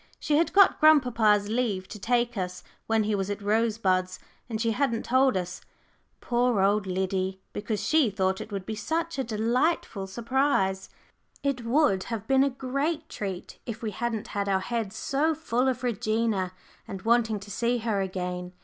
She had got grandpapa's leave to take us when he was at Rosebuds, and she hadn't told us poor old Liddy! because she thought it would be such a delightful surprise. It would have been a great treat if we hadn't had our heads so full of Regina, and wanting to see her again.